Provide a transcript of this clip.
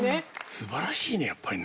素晴らしいねやっぱりね。